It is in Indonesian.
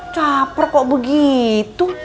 caper kok begitu